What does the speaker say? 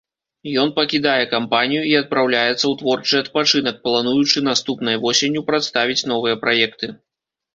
Ён пакідае кампанію і адпраўляецца ў творчы адпачынак, плануючы наступнай восенню прадставіць новыя праекты.